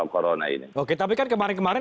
corona ini oke tapi kan kemarin kemarin